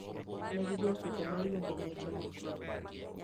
Negi goyo koko mar luongo ong'eche moko.